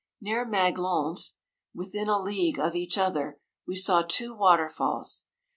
145 Near Maglans, within a league of each other, we saw two waterfalls.